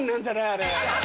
あれ。